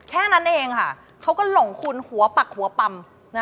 แค่นั้นเองค่ะเขาก็หลงคุณหัวปักหัวปำ